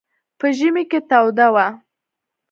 په ژمي کې توده وه.